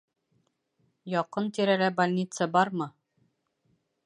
Яҡын-тирәлә больница бармы?